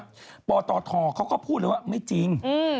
ปศพธอเนี่ยเขาก็พูดเลยว่าไม่จริง